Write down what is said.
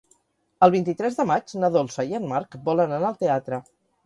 El vint-i-tres de maig na Dolça i en Marc volen anar al teatre.